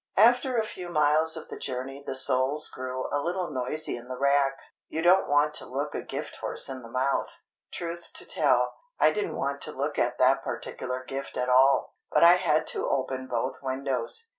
After a few miles of the journey the soles grew a little noisy in the rack. You don't want to look a gift horse in the mouth—truth to tell, I didn't want to look at that particular gift at all. But I had to open both windows.